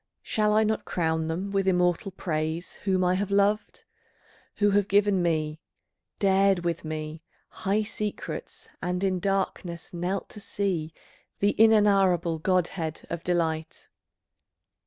Shall I not crown them with immortal praise Whom I have loved, who have given me, dared with me High secrets, and in darkness knelt to see The inenarrable godhead of delight?